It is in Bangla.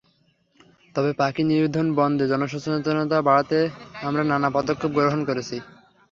তবে পাখি নিধন বন্ধে জনসচেতনতা বাড়াতে আমরা নানা পদক্ষেপ গ্রহণ করেছি।